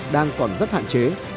đang còn rất hạn chế